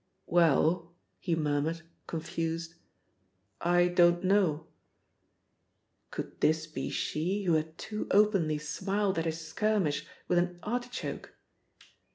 "Well," he murmured, confused, "I don't know " Could this be she who had too openly smiled at his skirmish with an artichoke?